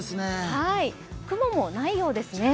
雲もないようですね。